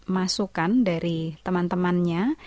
masukan dari teman temannya